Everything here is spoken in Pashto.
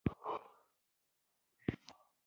د انیمیا وینه کموي.